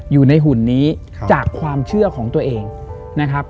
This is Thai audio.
อยู่ในหุ่นนี้จากความเชื่อของตัวเองนะครับ